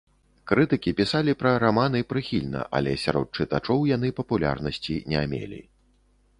Крытыкі пісалі пра раманы прыхільна, але сярод чытачоў яны папулярнасці не мелі.